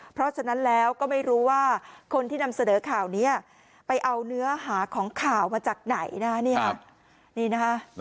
เพราะฉะนั้นแล้วก็ไม่รู้ว่าคนที่นำเสนอข่าวนี้ไปเอาเนื้อหาของข่าวมาจากไหนนะคะ